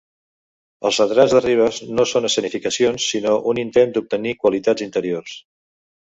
Els retrats de Rivas no són escenificacions sinó un intent d'obtenir qualitats interiors.